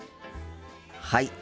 はい。